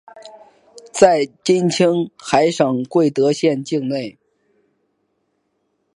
在今青海省贵德县境内。